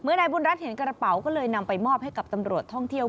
นายบุญรัฐเห็นกระเป๋าก็เลยนำไปมอบให้กับตำรวจท่องเที่ยว